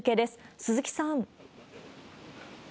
鈴木さん。